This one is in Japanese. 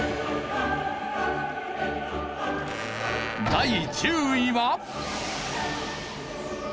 第１０位は。